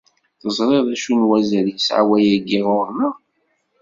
Teẓriḍ acu n wazal yesɛa wayagi ɣer-neɣ?